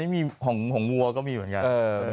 ไม่มีของวัวก็มีเหมือนกัน